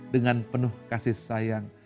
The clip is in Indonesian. dengan penuh kasih sayang